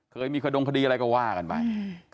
เคยมีขดงคดีอะไรก็ว่ากันไป